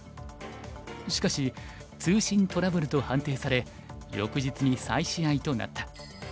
しかし通信トラブルと判定され翌日に再試合となった。